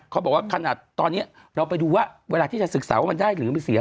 เขาบอกว่าขนาดตอนนี้เราไปดูว่าเวลาที่จะศึกษาว่ามันได้หรือไม่เสีย